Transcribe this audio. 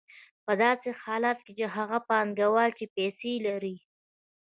په داسې حالت کې هغه پانګوال چې پیسې لري